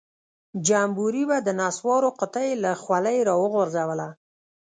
جمبوري به د نسوارو قطۍ له خولۍ راوغورځوله.